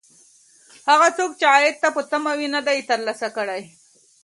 هغه څوک چې عاید ته په تمه و، نه یې دی ترلاسه کړی.